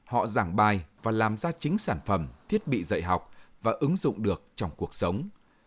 họ giảng bài và làm ra chính sản phẩm thiết bị dạy học và ứng dụng được trong cuộc sống